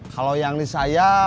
kalau yang di saya